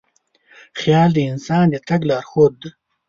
خیال د انسان د تګ لارښود دی.